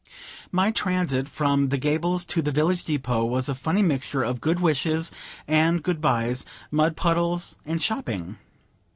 My transit from The Gables to the village depot was a funny mixture of good wishes and good byes, mud puddles and shopping.